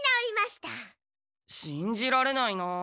しんじられないなあ。